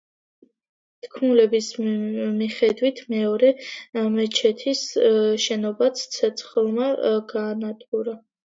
თქმულების მიხედვით, მეორე მეჩეთის შენობაც ცეცხლმა გაანადგურა.